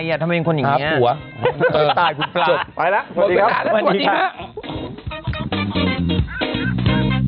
ทำไมเป็นคนอย่างเงี้ย